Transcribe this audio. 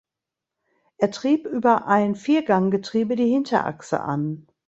Er trieb über ein Vierganggetriebe die Hinterachse an.